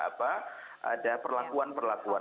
apa ada perlakuan perlakuan